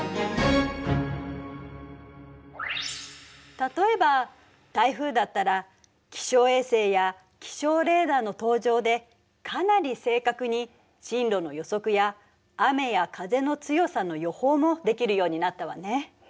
例えば台風だったら気象衛星や気象レーダーの登場でかなり正確に進路の予測や雨や風の強さの予報もできるようになったわね。